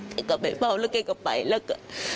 แกก็ไปเฝ้าแล้วแกก็ไปแล้วก็